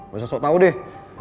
gak usah sok tau deh